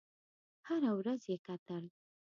هره ورځ یې کتل.